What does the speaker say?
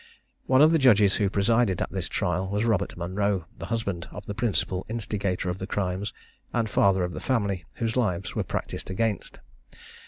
One of the judges who presided at this trial, was Robert Monro, the husband of the principal instigator of the crimes, and father of the family whose lives were practised against.